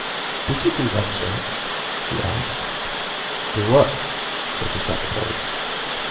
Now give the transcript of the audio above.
"Did you do that, sir?" he asked. "Do what?" said the Secretary.